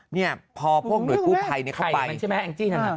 นี่พอพวกหน่วยกู้ภัยเข้าไปไข่มันใช่ไหมแองจี้นั่น